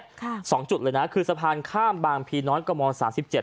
ค่ะสองจุดเลยนะคือสะพานข้ามบางพีน้อยกมสามสิบเจ็ด